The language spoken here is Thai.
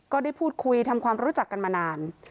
ก็ได้พูดคุยทำความรู้จักกันมานาน